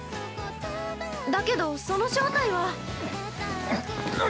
だけど、その正体は！